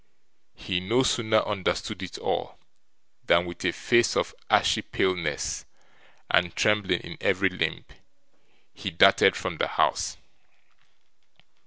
He no sooner understood it all, than with a face of ashy paleness, and trembling in every limb, he darted from the house.